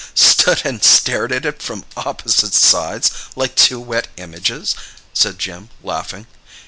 "Stood and stared at it from opposite sides, like two wet images," said Jim, laughing.